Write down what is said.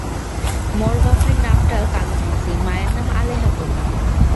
মোর বাফের নামডা কালুমাঝি, মায়ের নাম আলেহা পরি।।